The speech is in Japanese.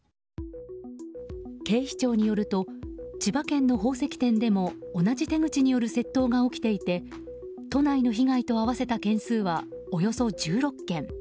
警視庁によると千葉県の宝石店でも同じ手口による窃盗が起きていて都内の被害と合わせた件数はおよそ１６件。